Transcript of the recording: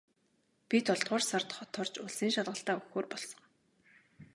Би долоодугаар сард хот орж улсын шалгалтаа өгөхөөр болсон.